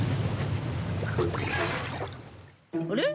あれ？